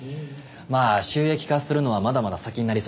まあ収益化するのはまだまだ先になりそうなんですが。